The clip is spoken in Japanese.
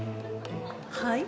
はい？